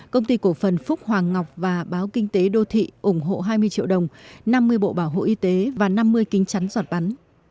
công ty cổ phần phúc hoàng ngọc và báo kinh tế đô thị ủng hộ hai mươi triệu đồng năm mươi bộ bảo hộ y tế và năm mươi kính chắn giọt bắn